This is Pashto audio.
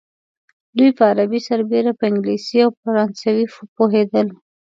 دوی په عربي سربېره په انګلیسي او فرانسوي پوهېدل.